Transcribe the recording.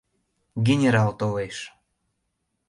Генерал толеш!